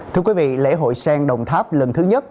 thưa quý vị lễ hội sen đồng tháp lần thứ nhất